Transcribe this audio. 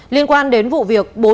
liên quan đến vụ việc